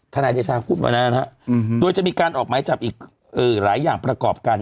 นายเดชาพูดวันนั้นนะฮะโดยจะมีการออกไม้จับอีกหลายอย่างประกอบกัน